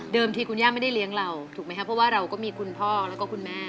ที่คุณย่าไม่ได้เลี้ยงเราถูกไหมครับเพราะว่าเราก็มีคุณพ่อแล้วก็คุณแม่